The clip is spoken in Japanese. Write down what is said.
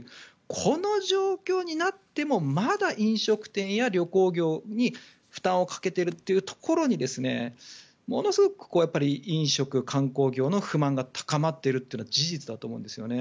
この状況になってもまだ飲食店や旅行業に負担をかけているというところにものすごく飲食、観光業の不満が高まっているのは事実だと思うんですね。